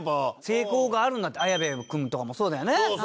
成功がある綾部君とかもそうだよね。